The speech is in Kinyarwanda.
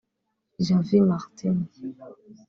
Javi Martínez